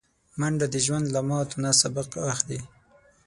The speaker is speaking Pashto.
منډه د ژوند له ماتو نه سبق اخلي